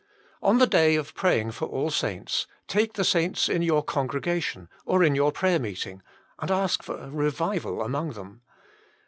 On the day of praying for all saints, take the saints in your congregation, or in your prayer meeting, and ask for a revival among them.